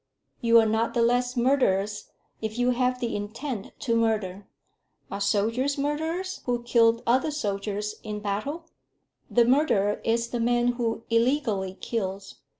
"You are not the less murderers if you have the intent to murder. Are soldiers murderers who kill other soldiers in battle? The murderer is the man who illegally kills.